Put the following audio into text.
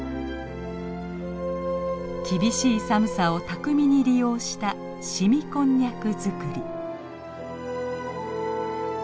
厳しい寒さを巧みに利用した凍みこんにゃく作り。